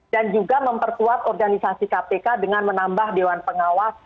dan juga memperkuat organisasi kpk dengan menambah dewan pengawas